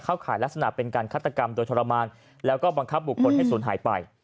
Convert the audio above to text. ขายลักษณะเป็นการฆาตกรรมโดยทรมานแล้วก็บังคับบุคคลให้ศูนย์หายไป